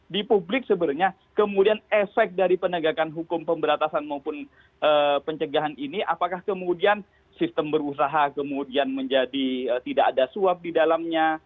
di publik sebenarnya kemudian efek dari penegakan hukum pemberantasan maupun pencegahan ini apakah kemudian sistem berusaha kemudian menjadi tidak ada suap di dalamnya